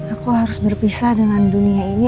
aku harus berpisah dengan dunia ini